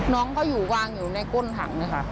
น้องก็อยู่วางอยู่ในก้นถังนะคะ